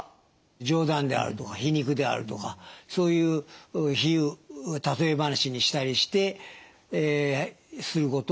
冗談であるとか皮肉であるとかそういう比喩例え話にしたりすることをしない。